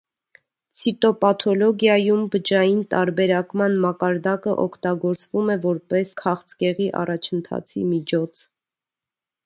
Ցիտոպաթոլոգիաում բջջային տարբերակման մակարդակը օգտագործվում է որպես քաղցկեղի առաջընթացի միջոց։